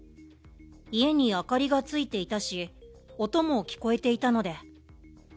家に明かりがついていたし、音も聞こえていたので。